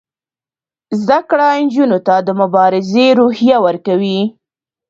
زده کړه نجونو ته د مبارزې روحیه ورکوي.